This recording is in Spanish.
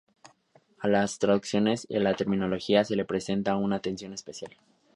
A las traducciones y a la terminología se les presta una atención especial.